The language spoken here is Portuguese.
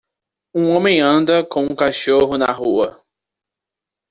um homem anda com o cachorro na rua.